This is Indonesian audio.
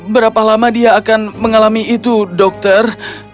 berapa lama dia akan mengalami itu dokter